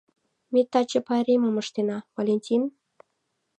Ме таче пайремым ыштена, Валентин?